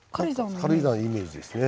軽井沢のイメージですね。